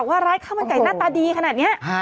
ว่าร้านข้าวมันไก่หน้าตาดีขนาดนี้